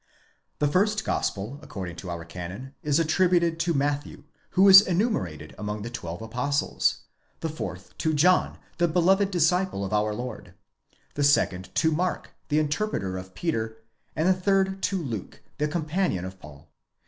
'The first Gospel according to our Canon is attributed to Matthew, who is enumerated among the twelve Apostles ; the fourth to John the beloved disciple of our Lord; DEVELOPMENT OF THE MYTHICAL POINT OF VIEW. 71 the second to Mark the interpreter of Peter; and the third to Luke the companion of Ραμ].